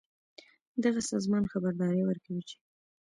دغه سازمان خبرداری ورکوي چې